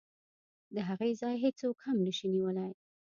د هغې ځای هېڅوک هم نشي نیولی.